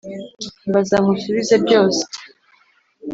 mbaza nkusubize byose